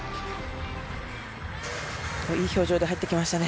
いい表情で入ってきましたね。